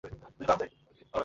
তাহলে চিন্তা কীসের?